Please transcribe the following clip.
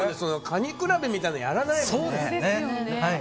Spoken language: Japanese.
カニ比べみたいなのやらないもん。